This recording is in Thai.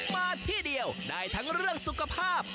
มาที่เดียวได้ทั้งเรื่องสุขภาพ